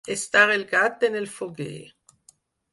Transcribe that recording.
Estar el gat en el foguer.